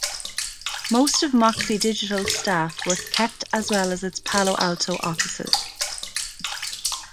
Most of Moxi Digital's staff were kept as well as its Palo Alto offices.